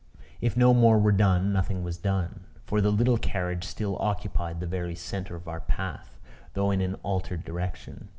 If no more were done, nothing was done; for the little carriage still occupied the very centre of our path, though in an altered direction.